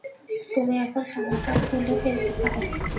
তুমি এখন জামাটা খুলে ফেলতে পারো।